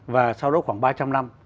và sau đó khoảng ba trăm linh năm